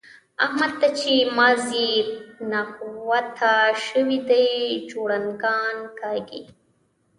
احمد ته چې مازي نغوته شوي؛ دی جوړنګان کاږي.